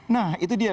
nah itu dia